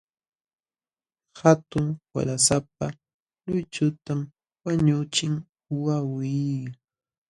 Hatun waqlasapa luychutam wañuqchin wawqii.